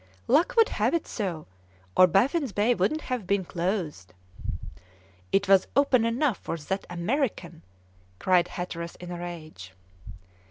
"Luck would have it so, or Baffin's Bay wouldn't have been closed." "It was open enough for that American!" cried Hatteras in a rage.